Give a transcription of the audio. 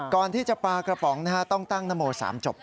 ก่อนที่จะปากระป๋องนะฮะต้องตั้งนโมสามจบ